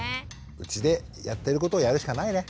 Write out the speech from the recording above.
うちでやってることをやるしかないね。